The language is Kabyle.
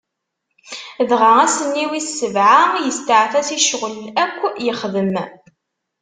Dɣa, ass-nni wis sebɛa, isteɛfa si ccɣwel akk yexdem.